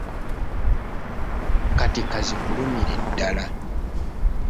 Kati ka zikulumire ddala.